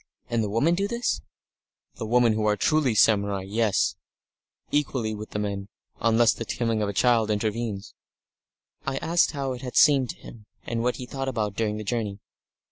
"And the women do this?" "The women who are truly samurai yes. Equally with the men. Unless the coming of children intervenes." I asked him how it had seemed to him, and what he thought about during the journey.